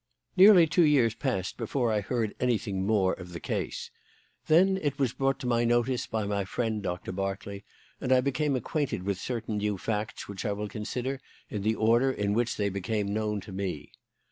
"Nearly two years passed before I heard anything more of the case. Then it was brought to my notice by my friend, Doctor Berkeley, and I became acquainted with certain new facts, which I will consider in the order in which they became known to me.